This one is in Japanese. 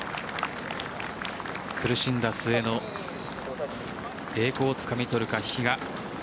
苦しんだ末の栄光をつかみ取るか、比嘉。